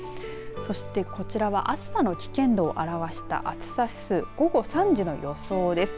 そしてこちらは暑さの危険度を表した暑さ指数、午後３時の予想です。